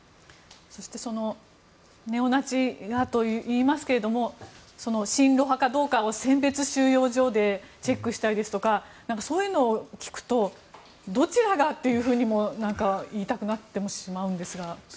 そしてネオナチがと言いますけど親露派かどうかを選別収容所でチェックしたりそういうのを聞くとどちらがというふうにも言いたくなってしまうんですが。